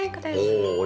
お！